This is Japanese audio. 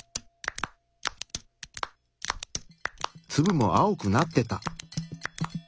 ツブも青くなってた。